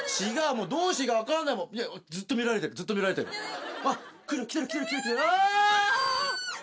もうどうしていいか分からないもんずっと見られてるずっと見られてるあっ来る来てる来てるあっ！